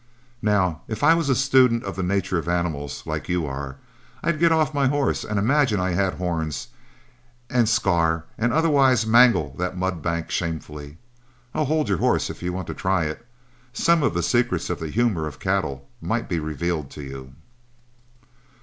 Now, if I was a student of the nature of animals, like you are, I'd get off my horse and imagine I had horns, and scar and otherwise mangle that mud bank shamefully. I'll hold your horse if you want to try it some of the secrets of the humor of cattle might be revealed to you."